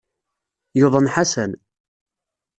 Yuḍen Ḥasan.